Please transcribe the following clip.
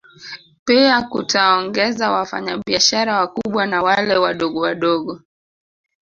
Pia kutaongeza wafanya biashara wakubwa na wale wadogowadogo